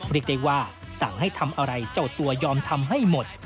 เรียกได้ว่าสั่งให้ทำอะไรเจ้าตัวยอมทำให้หมด